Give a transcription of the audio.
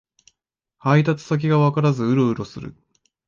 配達先がわからずウロウロする